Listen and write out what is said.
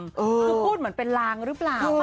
คือพูดเหมือนเป็นลางหรือเปล่า